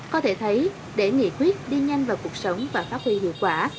có thể thấy để nghị quyết đi nhanh vào cuộc sống và phát huy hiệu quả